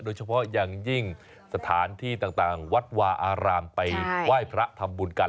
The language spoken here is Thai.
โดยเฉพาะอย่างยิ่งสถานที่ต่างวัดวาอารามไปไหว้พระทำบุญกัน